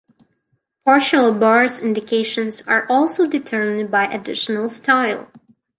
Partial barres indications are also determined by editorial style.